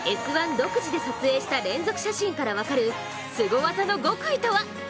独自で撮影した連続写真から分かる、すご技の極意とは？